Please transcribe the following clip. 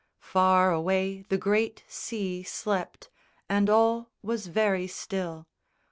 Far away the great sea slept, And all was very still.